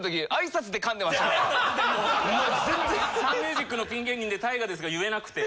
サンミュージックのピン芸人でＴＡＩＧＡですが言えなくて。